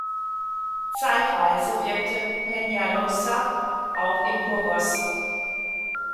Zeitweise wirkte Peñalosa auch in Burgos.